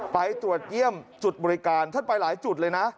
ไปตรวจเยี่ยมจุดบริการท่านไปหลายจุดเลยนะ